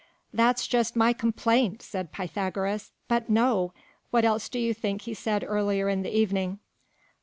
"That's just my complaint," said Pythagoras, "but no! what else do you think he said earlier in the evening?"